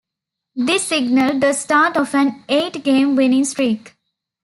This signalled the start of an eight-game winning streak.